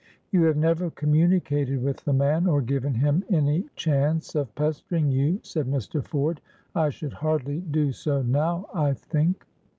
"You have never communicated with the man, or given him any chance of pestering you," said Mr. Ford. "I should hardly do so now, I think."